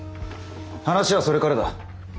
話はそれからだ。